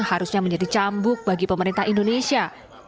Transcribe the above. harusnya menjadi cambuk bagi pemerintah indonesia